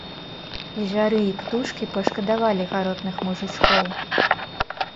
Звяры і птушкі пашкадавалі гаротных мужычкоў.